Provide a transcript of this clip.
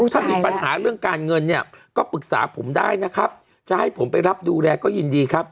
ถ้ามีปัญหาเรื่องการเงินเนี่ยก็ปรึกษาผมได้นะครับจะให้ผมไปรับดูแลก็ยินดีครับ